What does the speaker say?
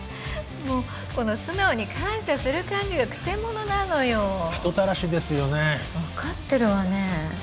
もうこの素直に感謝する感じが曲者なのよ人たらしですよね分かってるわね